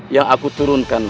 yang aku turunkan